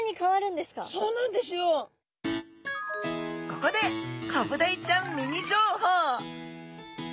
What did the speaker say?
ここでコブダイちゃんミニ情報。